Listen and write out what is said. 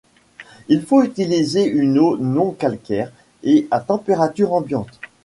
Il faut utiliser une eau non calcaire et à température ambiante.